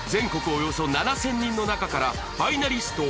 およそ７０００人の中からファイナリスト９名が決定